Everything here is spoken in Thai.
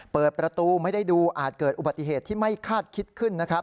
เปิดประตูไม่ได้ดูอาจเกิดอุบัติเหตุที่ไม่คาดคิดขึ้นนะครับ